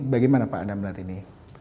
bagaimana pak anda melihat ini